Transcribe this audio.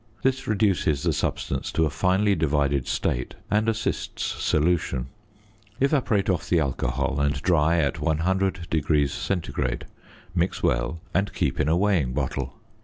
This reduces the substance to a finely divided state and assists solution. Evaporate off the alcohol and dry at 100° C., mix well, and keep in a weighing bottle.